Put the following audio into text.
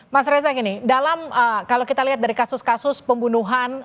mas reza gini dalam kalau kita lihat dari kasus kasus pembunuhan